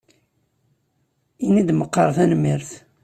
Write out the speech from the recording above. Ini-d meqqar tanemmirt.